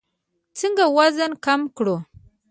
څنګه وزن کم کړو؟